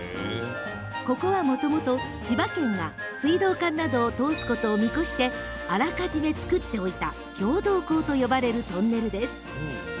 ここはもともと、千葉県が水道管などを通すことを見越してあらかじめ造っておいた共同溝と呼ばれるトンネルです。